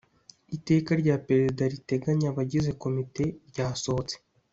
iteka rya perezida riteganya abagize komite ryasohotse.